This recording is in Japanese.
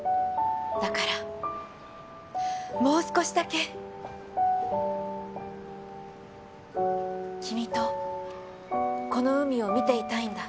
だからもう少しだけ君とこの海を見ていたいんだ。